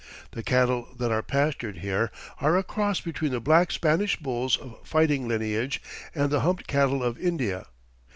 The cattle that are pastured here are a cross between the black Spanish bulls of fighting lineage and the humped cattle of India.